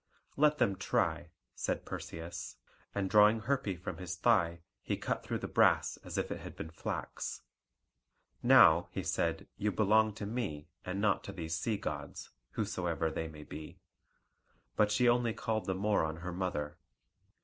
"Let them try," said Perseus; and drawing Herpe from his thigh, he cut through the brass as if it had been flax. "Now," he said, "you belong to me, and not to these sea gods, whosoever they may be!" But she only called the more on her mother.